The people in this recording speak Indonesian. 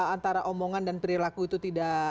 antara omongan dan perilaku itu tidak